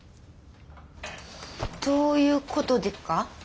どういうことでっか？